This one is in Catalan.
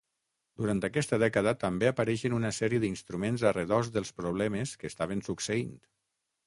Durant aquesta dècada també apareixen una sèrie d’instruments a redós dels problemes que estaven succeint.